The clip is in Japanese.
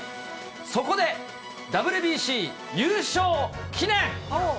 そこでＷＢＣ優勝記念。